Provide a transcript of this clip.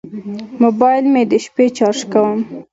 موبایل مې د شپې چارج کوم.